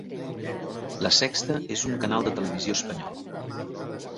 La Sexta és un canal de televisió espanyol.